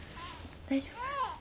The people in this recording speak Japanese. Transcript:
大丈夫？